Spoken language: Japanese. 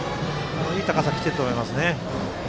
いい高さに来ていると思います。